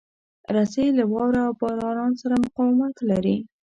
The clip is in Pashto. رسۍ له واوره او باران سره مقاومت لري.